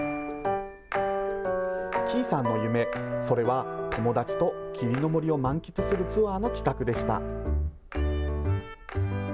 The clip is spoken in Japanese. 喜井さんの夢、それは友達と霧の森を満喫するツアーの企画でした。